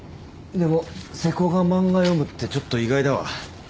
でも瀬古が漫画読むってちょっと意外だわ。